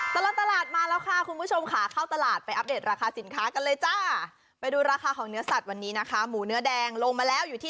ตลอดตลาดมาแล้วค่ะคุณผู้ชมค่ะเข้าตลาดไปอัปเดตราคาสินค้ากันเลยจ้าไปดูราคาของเนื้อสัตว์วันนี้นะคะหมูเนื้อแดงลงมาแล้วอยู่ที่